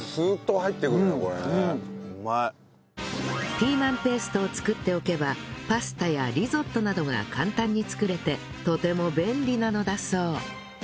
ピーマンペーストを作っておけばパスタやリゾットなどが簡単に作れてとても便利なのだそう